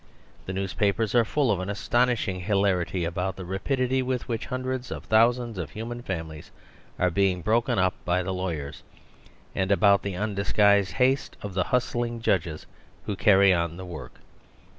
The newspapers are full of an astonishing hi larity about the rapidity with which hundreds or thousands of human families are being broken up by the lawyers; and about the un disguised haste of the "hustling judges" who carry on the work.